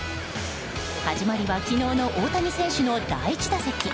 始まりは昨日の大谷選手の第１打席。